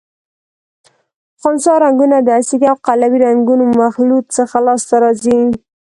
خنثی رنګونه د اسیدي او قلوي رنګونو مخلوط څخه لاس ته راځي.